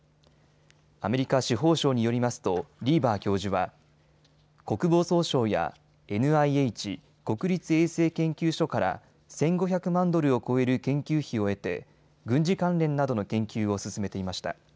アメリカ司法省によりますとリーバー教授は国防総省やＮＩＨ・国立衛生研究所から１５００万ドルを超える研究費を得て軍事関連などの研究を進めていました。